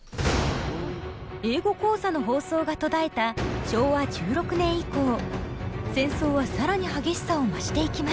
「英語講座」の放送が途絶えた昭和１６年以降戦争は更に激しさを増していきます。